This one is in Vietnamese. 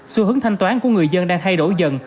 xu hướng thanh toán của người dân đang thay đổi dần